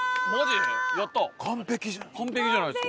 完璧じゃないですか。